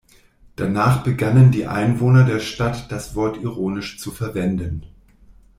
Danach begannen die Einwohner der Stadt das Wort ironisch zu verwenden.